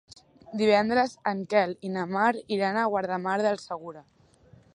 Divendres en Quel i na Mar iran a Guardamar del Segura.